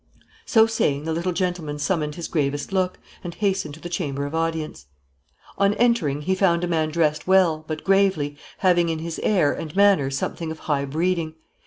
So saying, the little gentleman summoned his gravest look, and hastened to the chamber of audience. On entering he found a man dressed well, but gravely, having in his air and manner something of high breeding.